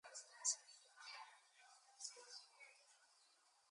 Lord Howell is also Chairman of The Commonwealth Societies Association.